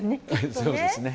そうですね。